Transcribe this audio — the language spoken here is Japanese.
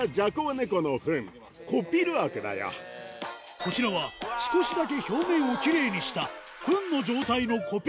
こちらは少しだけ表面をきれいにしたフンの状態のコピ